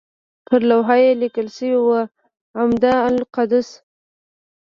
پر لوحه یې لیکل شوي وو اعمده القدس.